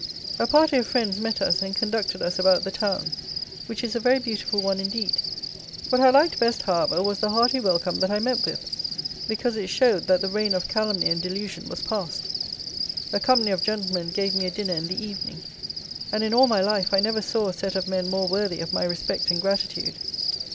A party of friends met us and conducted us about the town, which is a very beautiful one indeed. What I liked best, however, was the hearty welcome that I met with, because it showed, that the reign of calumny and delusion was passed. A company of gentlemen gave me a dinner in the evening, and, in all my life I never saw a set of men more worthy of my respect and gratitude.